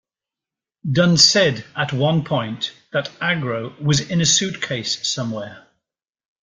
Dunn said at one point that Agro was 'in a suitcase somewhere'.